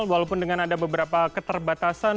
walaupun dengan ada beberapa keterbatasan